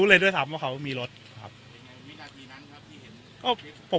รู้เลยด้วยทำว่าเขามีรถครับมีการมีนั้นครับที่เห็น